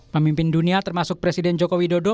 pemimpin dunia termasuk presiden joko widodo